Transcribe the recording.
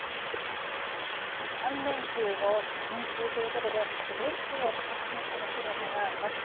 ３連休の初日ということでゴルフを楽しむ人の姿があります。